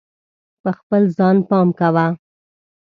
په خپل ځان پام کوه.